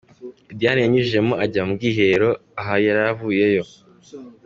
Diane yanyujijemo ajya mu bwiherero, aha yari avuyeyo